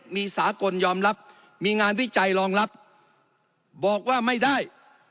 มีสากลยอมรับมีงานวิจัยรองรับบอกว่าไม่ได้